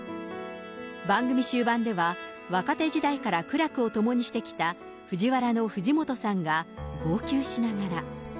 番組終盤では、若手時代から苦楽を共にしてきたＦＵＪＩＷＡＲＡの藤本さんが号泣しながら。